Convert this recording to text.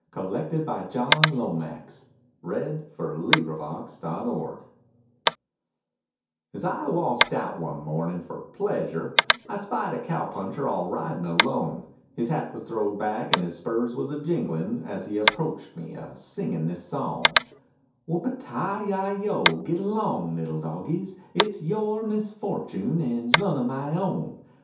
WHOOPEE TI YI YO, GIT ALONG LITTLE DOGIES As I walked out one morning for pleasure, I spied a cow puncher all riding alone; His hat was throwed back and his spurs was a jingling, As he approached me a singin' this song, Whoopee ti yi yo, git along little dogies, It's your misfortune, and none of my own.